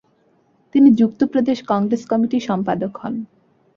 তিনি যুক্ত প্রদেশ কংগ্রেস কমিটির সম্পাদক হন।